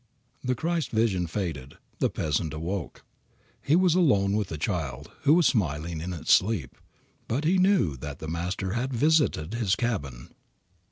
The Christ vision faded. The peasant awoke. He was alone with the child, who was smiling in its sleep. But he knew that the Master had visited his cabin.